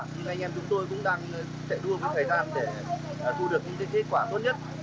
nhưng anh em chúng tôi cũng đang chạy đua với thời gian để thu được những kết quả tốt nhất